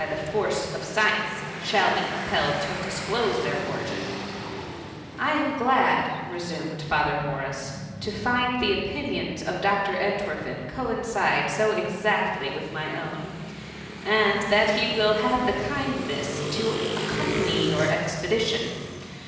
41 the force of science, shall be compelled to dis close their origin/^ " I am glad,^ resumed Father Morrisi " to find the opinions of Dr« Entwerfen coincide so exactly with my own, and that he will have the kindness to accompany your expedition.